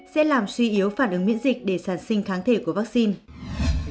sẽ làm suy yếu phản ứng miễn dịch để sản sinh kháng thể của vaccine